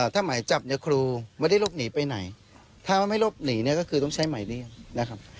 ถ้าไหมจับเนี่ยครูไม่ได้รบหนีไปไหนถ้าไม่รบหนีก็คือต้องใช้ไหมเรียกนะครับ